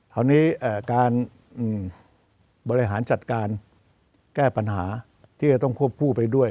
คราวนี้การบริหารจัดการแก้ปัญหาที่จะต้องควบคู่ไปด้วย